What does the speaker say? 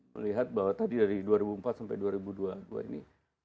melihat bahwa tadi dari dua ribu empat sampai dua ribu dua puluh dua ini